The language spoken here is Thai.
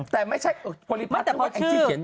แต่ไม่ใช่ผลิตภาษาวิทยาลัย